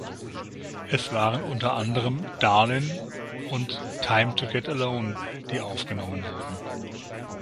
Es waren unter anderem „Darlin“ und „Time to get alone“ die aufgenommen wurden.